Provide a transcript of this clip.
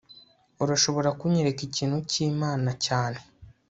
urashobora kunyereka ikintu cyimana cyane